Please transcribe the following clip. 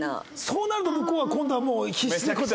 そうなると向こうは今度はもう必死で。